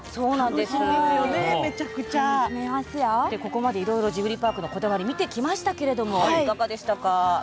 ここまで、いろいろジブリパークのこだわり見てきましたけれどもいかがでしたか？